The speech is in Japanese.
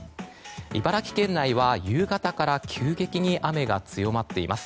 茨城県内は夕方から急激に雨が強まっています。